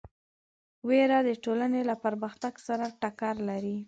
وېره د ټولنې له پرمختګ سره ټکر لري.